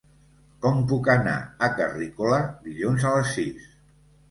Com puc anar a Carrícola dilluns a les sis?